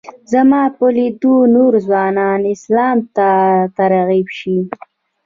زما په لیدلو نور ځوانان اسلام ته ترغیب شي.